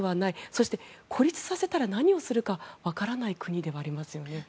そして、孤立させたら何をするか分からない国ではありますよね。